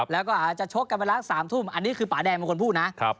แล้วก็อาจจะชกกันเวลา๓ทุ่มอันนี้คือป่าแดงเป็นคนพูดนะ